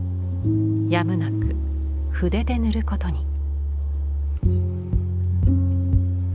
やむなく筆で塗ることに。